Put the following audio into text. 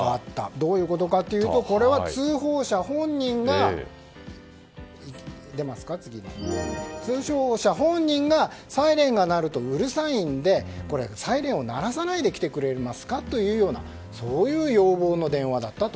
どういうことかというとこれは、通報者本人がサイレンが鳴るとうるさいのでサイレンを鳴らさないで来てくれますかというそういう要望の電話だったと。